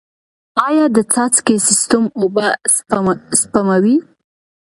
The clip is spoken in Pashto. آیا د څاڅکي سیستم اوبه سپموي؟